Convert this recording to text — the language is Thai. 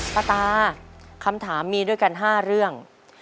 ตาคำถามมีด้วยกัน๕เรื่อง